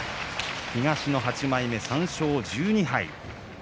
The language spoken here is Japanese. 東の８枚目、３勝１２敗。